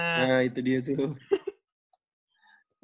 ya itu dia tuh